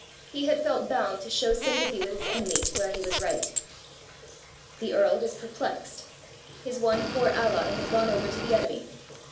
He had felt bound to show sympathy with his enemy where he was right. The earl was perplexed: his one poor ally had gone over to the enemy!